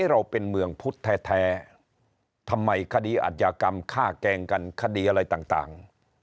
เราเป็นเมืองพุทธแท้ทำไมคดีอัธยากรรมฆ่าแกล้งกันคดีอะไรต่าง